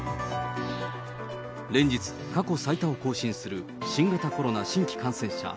連日、過去最多を更新する新型コロナ新規感染者。